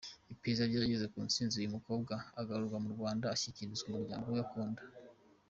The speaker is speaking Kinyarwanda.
Iperereza ryageze ku ntsinzi, uyu mukobwa agarurwa mu Rwanda ashyikirizwa umuryango we akunda.